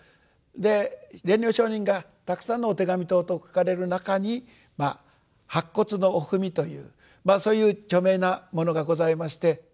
で蓮如上人がたくさんのお手紙等々を書かれる中に「白骨の御文」というそういう著名なものがございまして。